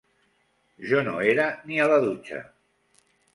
Jo no era ni a la dutxa.